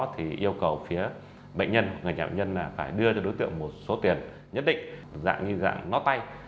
thì yêu cầu phía bệnh nhân người nhà bệnh nhân là phải đưa cho đối tượng một số tiền nhất định dạng như dạng nó tay